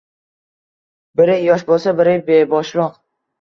Biri yosh bo‘lsa, biri beboshroq